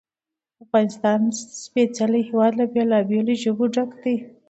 د افغانستان سپېڅلی هېواد له بېلابېلو ژبو ډک دی.